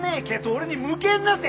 俺に向けんなて！